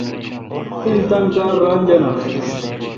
تین تان کار ران جانہ۔